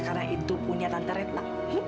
karena itu punya tante retla